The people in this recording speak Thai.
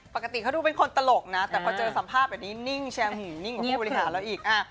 ปกติเขาดูเป็นคนตลกนะแต่พอเดี๋ยวสัมภาพอย่างนี้นิ่งแช่งนิ่งกว่ารีหาแล้วอีก